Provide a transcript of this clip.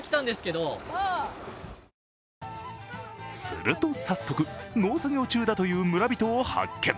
すると早速、農作業中だという村人を発見。